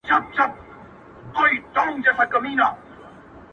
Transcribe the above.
پر ملا کړوپ دی ستا له زور څخه خبر دی-